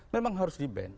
memang harus di ban